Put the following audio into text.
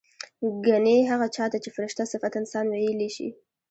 ګنې هغه چا ته چې فرشته صفت انسان وييلی شي